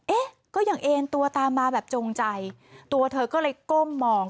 เอ๊ะก็ยังเอ็นตัวตามมาแบบจงใจตัวเธอก็เลยก้มมอง